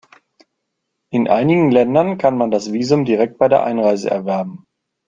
In einigen Ländern kann man das Visum direkt bei der Einreise erwerben.